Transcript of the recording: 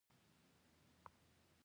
تعرفه د وارداتي مالونو فیس دی.